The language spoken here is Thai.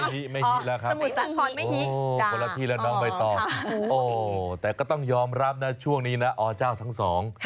ฮิ๊กไม่ต้องน้องสมุทรสาครไม่ฮิ๊กโอ้โหแต่ก็ต้องยอมรับช่วงนี้นะอ๋อเจ้าทั้งสอง